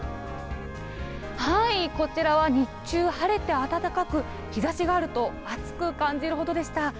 こちらは日中晴れて暖かく、日ざしがあると暑く感じるほどでした。